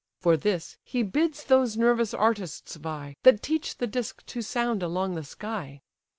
For this, he bids those nervous artists vie, That teach the disk to sound along the sky.